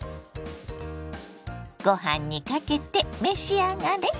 ご飯にかけて召し上がれ。